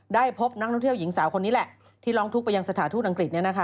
พบนักท่องเที่ยวหญิงสาวคนนี้แหละที่ร้องทุกข์ไปยังสถานทูตอังกฤษ